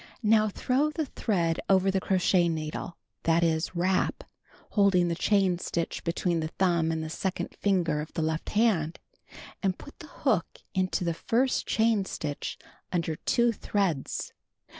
Now throw the thread over the crochet needle; that is, "wrap," (holding the chain stitch between the i huinli and second finger of the left hand) and put the hook into the fii'st chain stitch under 2 ttireads.